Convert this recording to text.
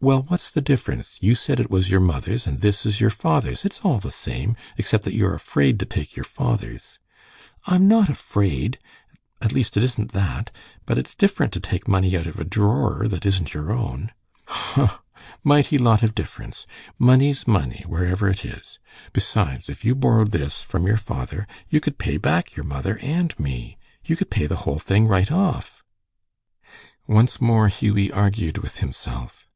"Well, what's the difference? You said it was your mother's, and this is your father's. It's all the same, except that you're afraid to take your father's." "I'm not afraid. At least it isn't that. But it's different to take money out of a drawer, that isn't your own." "Huh! Mighty lot of difference! Money's money, wherever it is. Besides, if you borrowed this from your father, you could pay back your mother and me. You would pay the whole thing right off." Once more Hughie argued with himself.